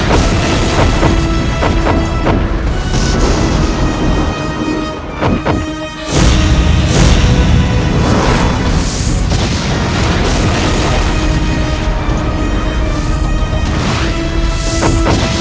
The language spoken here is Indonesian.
akan kuberitahu mereka eventually